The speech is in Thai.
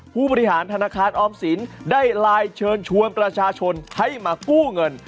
ผู้บริหารธนาคารออมสินได้ไลน์เชิญชวนประชาชนให้มากู้เงิน